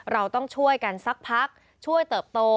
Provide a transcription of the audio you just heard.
เราต้องช่วยกันสักพักช่วยเติบโต